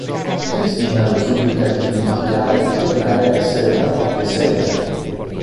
Cristina lo supplica di dimenticare e tornare a essere una coppia serena.